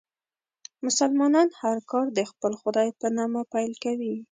مسلمانان هر کار د خپل خدای په نامه پیل کوي.